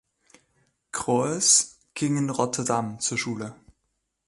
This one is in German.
Kroes ging in Rotterdam zur Schule.